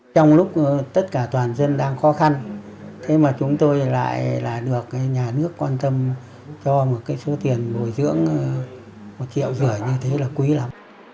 trong lúc tất cả toàn dân đang khó khăn thế mà chúng tôi lại là được nhà nước quan tâm cho một số tiền bồi dưỡng một triệu rửa như thế là quý lắm